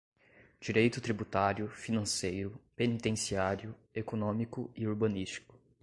direito tributário, financeiro, penitenciário, econômico e urbanístico;